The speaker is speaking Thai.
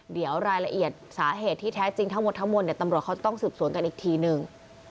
เดี๋ยวรายละเอียดสาเหตุที่แท้จริงทั้งหมดทั้งมวลตำรวจเขาจะต้องสืบสวนกันอีกทีนึง